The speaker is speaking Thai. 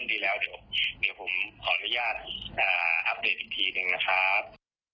เดี๋ยวผมขออนุญาตอัพเดทอีกทีหนึ่งนะครับ